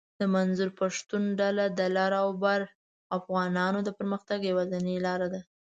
د منظور پشتین ډله د لر اوبر افغانانو د پرمختګ یواځنۍ لار ده